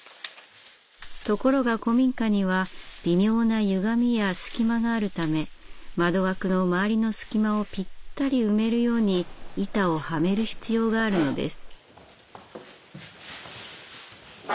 ところが古民家には微妙なゆがみや隙間があるため窓枠の周りの隙間をぴったり埋めるように板をはめる必要があるのです。